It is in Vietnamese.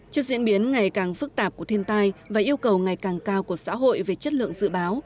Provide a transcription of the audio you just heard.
trước diễn biến ngày càng phức tạp của thiên tai và yêu cầu ngày càng cao của xã hội về chất lượng dự báo